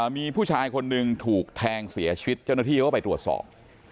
มีผู้ชายคนหนึ่งถูกแทงเสียชีวิตเจ้าหน้าที่เขาก็ไปตรวจสอบ